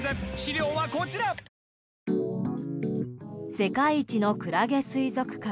世界一のクラゲ水族館。